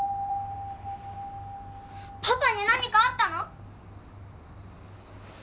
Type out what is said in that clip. パパに何かあったの？